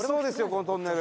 このトンネル。